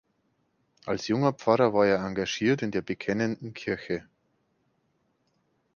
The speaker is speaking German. Als junger Pfarrer war er engagiert in der Bekennenden Kirche.